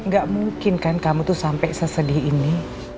gak mungkin kan kamu tuh sampai sesedih ini